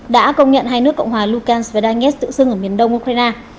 đã công nhận hai nước cộng hòa lugansk và đai nghét tự xưng ở miền đông ukraine